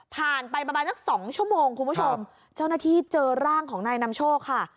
ผ่านไปประมาณสักสองชั่วโมงคุณผู้ชมเจ้าหน้าที่เจอร่างของนายนำโชคค่ะ